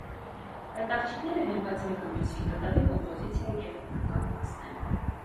Այդ աղջիկները, հենված մեկը մյուսին, կտավի կոմպոզիցիայի կենտրոնական մասն են։